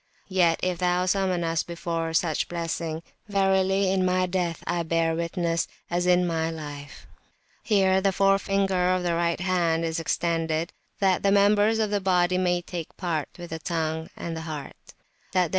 Yet if Thou summon us before such Blessing, verily in my Death I bear Witness, as in my Life, (here the forefinger of the right hand is extended, that the members of the body may take part with the tongue and the heart) that there [p.